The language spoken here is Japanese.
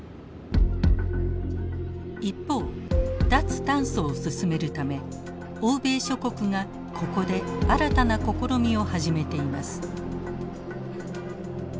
一方脱炭素を進めるため欧米諸国がここで新たな試みを始めています。